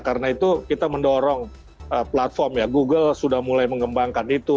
karena itu kita mendorong platform ya google sudah mulai mengembangkan itu